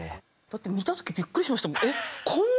だって見た時びっくりしましたもん。